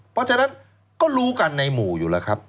เพราะฉะนั้นก็รู้กันในหมู่อยู่แล้วครับ